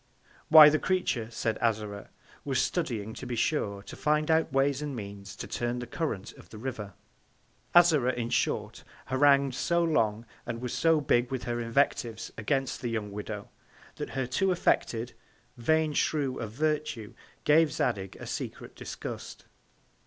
Why, the Creature, said Azora, was studying, to be sure, to find out Ways and Means to turn the Current of the River. Azora, in short, harangu'd so long, and, was so big with her Invectives against the young Widow, that her too affected, vain Shew of Virtue, gave Zadig a secret Disgust.